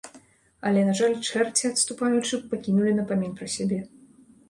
Але, на жаль, чэрці, адступаючы, пакінулі напамін пра сябе.